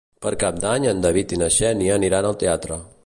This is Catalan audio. Per Cap d'Any en David i na Xènia aniran al teatre.